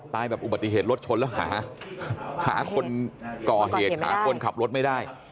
แบบอุบัติเหตุรถชนแล้วหาคนก่อเหตุหาคนขับรถไม่ได้